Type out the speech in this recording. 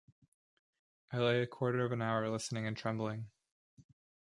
I lay a quarter of an hour listening and trembling.